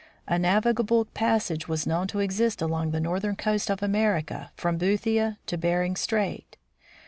A navigable passage was known to exist along the northern coast of America from Boothia to Bering strait.